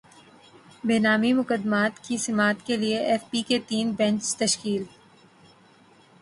بے نامی مقدمات کی سماعت کیلئے ایف بی کے تین بینچ تشکیل